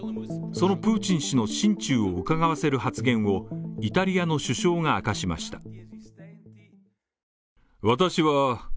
そのプーチン氏の心中をうかがわせる発言をイタリアの首相が明かしました。